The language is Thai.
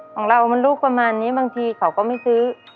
ของเรามันลูกประมาณนี้บางทีเขาก็ไม่ซื้อ